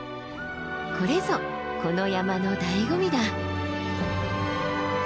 これぞこの山のだいご味だ。